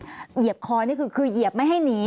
เหยียบคอนี่คือเหยียบไม่ให้หนี